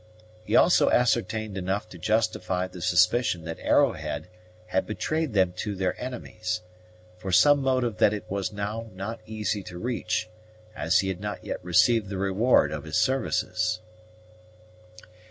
He also ascertained enough to justify the suspicion that Arrowhead had betrayed them to their enemies, for some motive that it was not now easy to reach, as he had not yet received the reward of his services.